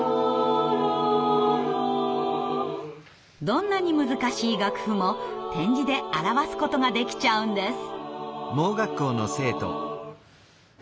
どんなに難しい楽譜も点字で表すことができちゃうんです。